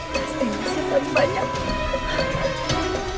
pasti masih banyak banyak